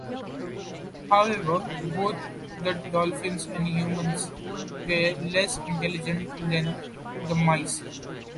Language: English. However, both the dolphins and humans were less intelligent than the mice.